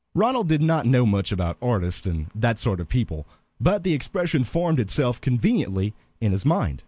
Ronald did not know much about artists and that sort of people, but the expression formed itself conveniently in his mind.